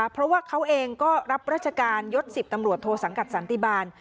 เพราะว่าเขาเองก็รับราชการยศ๑๐ตำรวจโทสังกัดสันติบาล